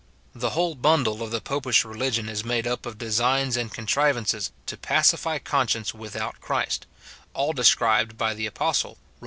The whole bundle of the popish religion is 208 MORTIFICATION OB made up of designs and contrivances to pacify conscience without Christ ; all described by the apostle, Rom.